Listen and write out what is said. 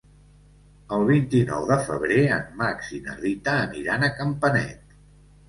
El vint-i-nou de febrer en Max i na Rita aniran a Campanet.